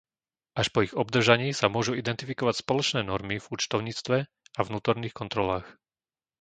Až po ich obdržaní sa môžu identifikovať spoločné normy v účtovníctve a vnútorných kontrolách.